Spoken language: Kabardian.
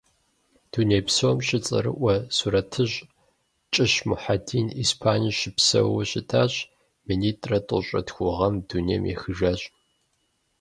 Дунейпсом щыцӏэрыӏуэ сурэтыщӏ, Кӏыщ Мухьэдин Испанием щыпсэууэ щытащ, минитӏырэ тӏощӏырэ тху гъэм дунейм ехыжащ.